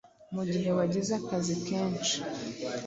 Mu gihe wagize akazi kenshi,